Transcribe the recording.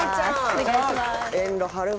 お願いします。